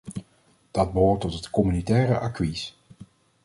Dat behoort tot het communautaire acquis.